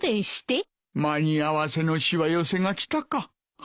間に合わせのしわ寄せが来たか。